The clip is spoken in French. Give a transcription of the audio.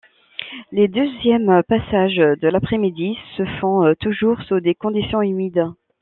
Les deuxièmes passages de l'après-midi se font toujours sous des conditions humides.